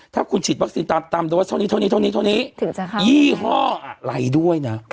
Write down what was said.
ถ้าคุณฉีดวัคซีนตามโดสเท่านี้เท่านี้เท่านี้เท่านี้ยี่ห้ออะไรด้วยนะ